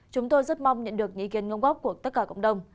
chúng tôi rất mong nhận được những ý kiến ngông góp của tất cả cộng đồng